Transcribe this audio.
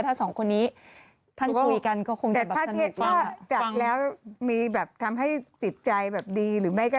ถ้าสองคนนี้ท่านคุยกันก็คงได้แต่ถ้าจัดแล้วมีแบบทำให้จิตใจแบบดีหรือไม่ก็